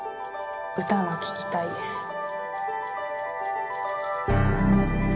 歌が聴きたいです